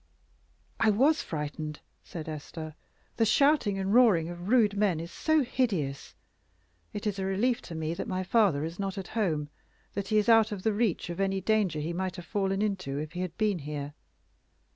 "I was frightened," said Esther. "The shouting and roaring of rude men is so hideous. It is a relief to me that my father is not at home that he is out of the reach of any danger he might have fallen into if he had been here.